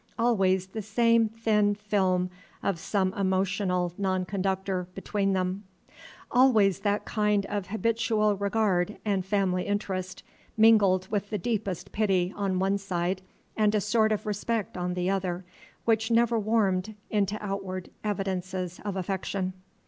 Always the same thin film of some emotional non conductor between them; always that kind of habitual regard and family interest, mingled with the deepest pity on one side and a sort of respect on the other, which never warmed into outward evidences of affection.